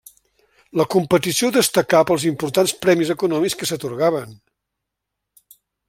La competició destacà pels importants premis econòmics que s'atorgaven.